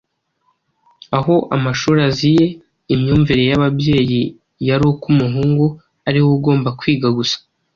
Aho amashuri aziye, imyumvire y’ababyeyi yari uko umuhungu ari we ugomba kwiga gusa.